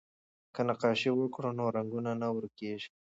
که نقاشي وکړو نو رنګونه نه ورکيږي.